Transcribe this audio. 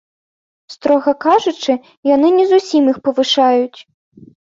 Строга кажучы, яны не зусім іх павышаюць.